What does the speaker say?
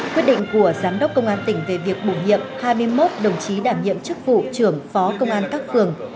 quyết định của giám đốc công an tỉnh về việc bổ nhiệm hai mươi một đồng chí đảm nhiệm chức vụ trưởng phó công an các phường